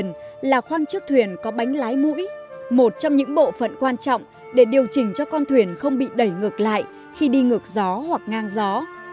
những bộ phận quan trọng để điều chỉnh cho con thuyền không bị đẩy ngược lại khi đi ngược gió hoặc ngang gió